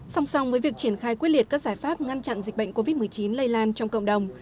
song song với việc triển khai quyết liệt các giải pháp ngăn chặn dịch bệnh covid một mươi chín lây lan trong cộng đồng